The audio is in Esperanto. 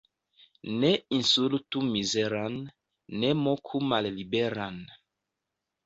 Ne insultu mizeran, ne moku malliberan.